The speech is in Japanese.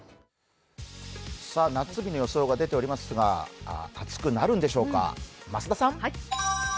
夏日の予想が出ておりますが、暑くなるんでしょうか。